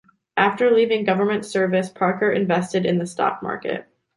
After leaving government service, Parker invested in the stock market.